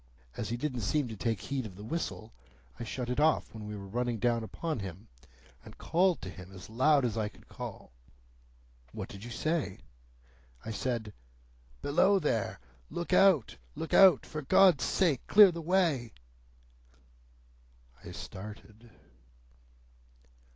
As he didn't seem to take heed of the whistle, I shut it off when we were running down upon him, and called to him as loud as I could call." "What did you say?" "I said, 'Below there! Look out! Look out! For God's sake, clear the way!'" I started.